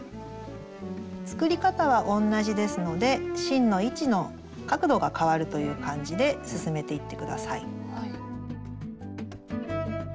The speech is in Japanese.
作り方は同じですので芯の位置の角度が変わるという感じで進めていって下さい。